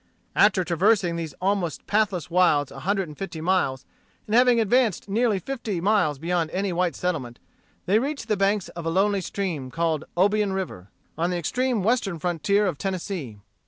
After traversing these almost pathless wilds a hundred and fifty miles, and having advanced nearly fifty miles beyond any white settlement, they reached the banks of a lonely stream, called Obion River, on the extreme western frontier of Tennessee.